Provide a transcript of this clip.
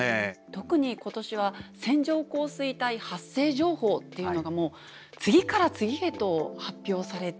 特に今年は線状降水帯発生情報っていうのが次から次へと発表されて。